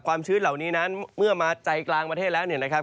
ชื้นเหล่านี้นั้นเมื่อมาใจกลางประเทศแล้วเนี่ยนะครับ